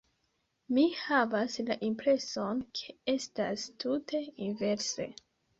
Mi havas la impreson, ke estas tute inverse.